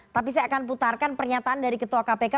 tapi saya akan putarkan pernyataan dari ketua kpk